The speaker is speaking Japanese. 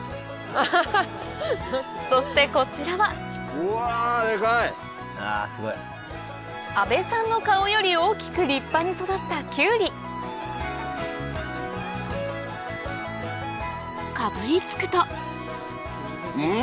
そしてこちらは阿部さんの顔より大きく立派に育ったかぶりつくとん！